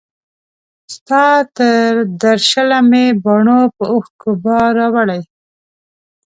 ستا تر درشله مي باڼو په اوښکو بار راوړی